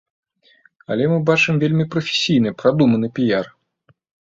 Але мы бачым вельмі прафесійны, прадуманы піяр.